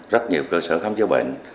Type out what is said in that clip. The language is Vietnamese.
rất nhiều cơ sở khám chữa bệnh